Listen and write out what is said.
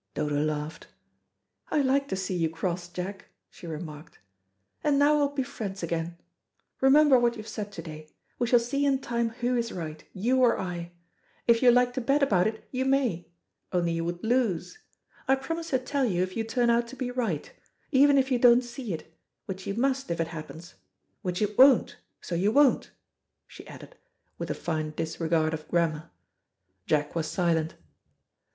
Dodo laughed. "I like to see you cross, Jack," she remarked, "and now we'll be friends again. Remember what you have said to day we shall see in time who is right, you or I. If you like to bet about it you may only you would lose. I promise to tell you if you turn out to be right, even if you don't see it, which you must if it happens, which it won't, so you won't," she added with a fine disregard of grammar. Jack was silent.